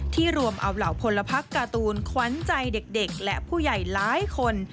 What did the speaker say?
รวมเอาเหล่าพลพักการ์ตูนขวัญใจเด็กและผู้ใหญ่หลายคน